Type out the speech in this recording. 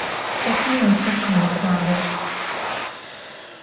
Xeta nêpe khemık'uağer?